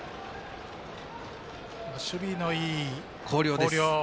守備のいい広陵。